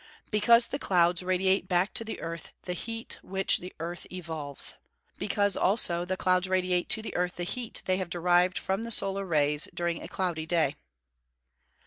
_ Because the clouds radiate back to the earth the heat which the earth evolves? Because, also, the clouds radiate to the earth the heat they have derived from the solar rays during a cloudy day.